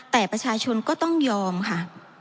แต่ประชาชนก็ต้องยอมค่ะ